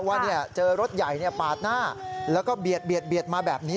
ว่าเจอรถใหญ่ปาดหน้าแล้วก็เบียดมาแบบนี้